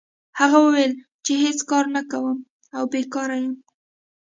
هغه وویل چې هېڅ کار نه کوم او بیکاره یم.